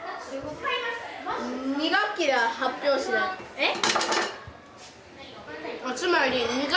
えっ。